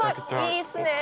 いいですね。